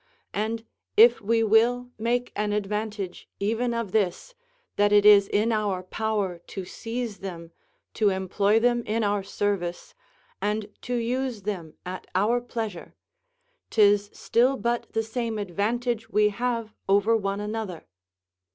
And if we will make an advantage even of this, that it is in our power to seize them, to employ them in our service, and to use them at our pleasure, 'tis still but the same advantage we have over one another.